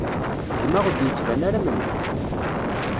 Gma ur d-yettban ara am nekk.